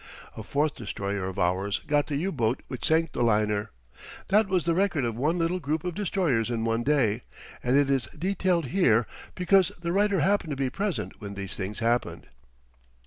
A fourth destroyer of ours got the U boat which sank the liner. That was the record of one little group of destroyers in one day; and it is detailed here because the writer happened to be present when these things happened.